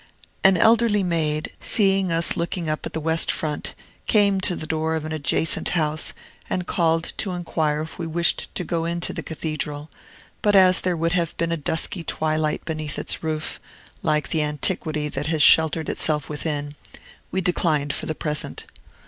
An elderly maid, seeing us looking up at the west front, came to the door of an adjacent house, and called to inquire if we wished to go into the Cathedral; but as there would have been a dusky twilight beneath its roof, like the antiquity that has sheltered itself within, we declined for the present.